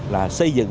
là xây dựng